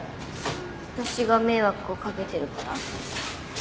私が迷惑を掛けてるから。